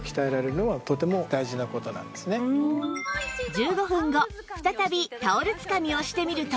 １５分後再びタオルつかみをしてみると